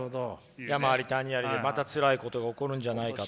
山あり谷ありでまたつらいことが起こるんじゃないかと。